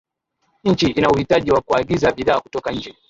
nchi ina uhitaji wa kuagiza bidhaa kutoka nje